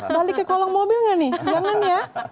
balik ke kolam mobil gak nih jangan ya